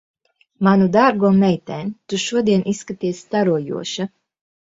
Manu dārgo meitēn, tu šodien izskaties starojoša.